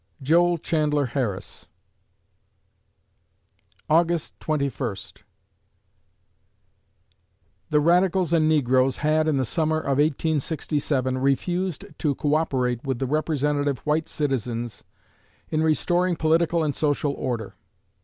JOEL CHANDLER HARRIS August Twenty First The radicals and negroes had, in the summer of 1867, refused to "co operate" with the representative white citizens in restoring political and social order.